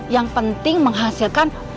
yang penting menghasilkan